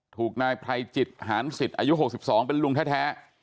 ถูกนายไพรจิตหานสิทธิ์อายุ๖๒เป็นลุงแท้